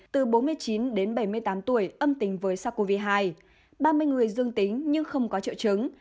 từ bốn mươi chín đến bảy mươi tám tuổi âm tính với sars cov hai ba mươi người dương tính nhưng không có triệu chứng